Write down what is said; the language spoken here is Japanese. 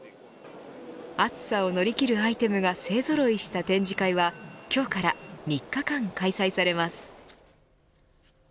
暑さを乗り切るアイテムが勢ぞろいした展示会は今日から３日間開催されます。